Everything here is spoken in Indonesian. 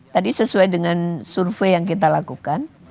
tadi sesuai dengan survei yang kita lakukan